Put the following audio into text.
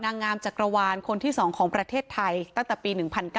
นางงามจักรวาลคนที่๒ของประเทศไทยตั้งแต่ปี๑๙